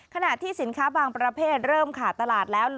ขณะที่สินค้าบางประเภทเริ่มขาดตลาดแล้ว